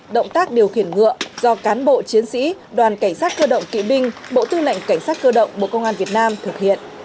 động tác điều khiển ngựa do cán bộ chiến sĩ đoàn cảnh sát cơ động kỵ binh bộ tư lệnh cảnh sát cơ động bộ công an việt nam thực hiện